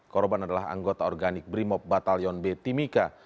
korban adalah anggota organik brimob batalion b timika